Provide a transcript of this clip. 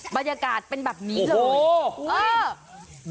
บรรยากาศเป็นแบบนี้เลย